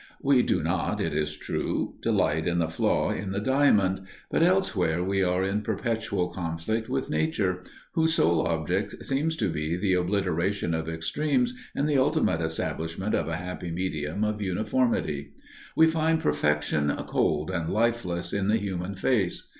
We do not, it is true, delight in the flaw in the diamond, but elsewhere we are in perpetual conflict with nature, whose sole object seems to be the obliteration of extremes and the ultimate establishment of a happy medium of uniformity. We find perfection cold and lifeless in the human face.